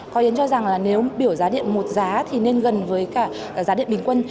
có yến cho rằng là nếu biểu giá điện một giá thì nên gần với cả giá điện bình quân